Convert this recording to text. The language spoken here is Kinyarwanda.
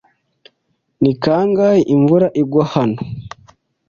Ni kangahe imvura igwa hano?